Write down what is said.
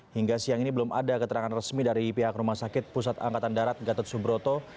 hingga siang ini belum ada keterangan resmi dari pihak rumah sakit pusat angkatan darat gatot subroto